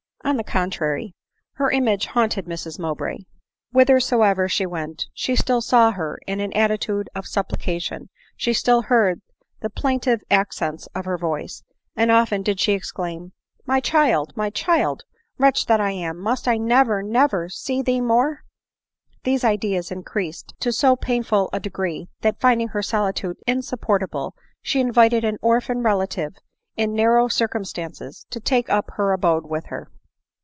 On the contrary, her image haunted Mrs Mowbray ; whithersoever she went, she still saw her in an attitude of .supplication ; she still heard the plaintive accents of her voice ; and often did she exclaim, " my child, my child ! wretch that I am ! must I never, never see thee more !" These ideas increased to so painful a degree, that finding her solitude insupportable, she invited an orphan relation in narrow circumstances to take up her abode with her.